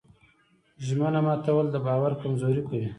ژمنه ماتول د باور کمزوري کوي.